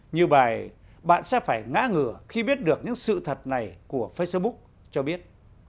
như bài bạn sẽ phải ngã ngửa khi biết được những sự thật này của facebook cho biết